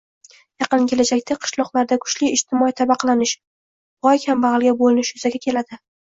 yaqin kelajakda qishloqlarda kuchli ijtimoiy tabaqalanish – boy-kambag‘alga bo‘linish yuzaga keladi